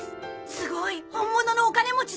すごい本物のお金持ちだ。